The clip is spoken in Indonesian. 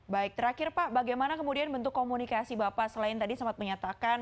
baik terakhir pak bagaimana kemudian bentuk komunikasi bapak selain tadi sempat menyatakan